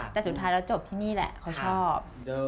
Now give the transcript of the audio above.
แต่สุดท้ายเราจบที่นี่แหละเขาชอบ